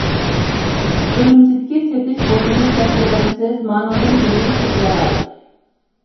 ئۈرۈمچىدىكى سېتىش ئورنىنى دەپ بېرەمسىز مانىڭدىن بىرنى سېتىۋالاي.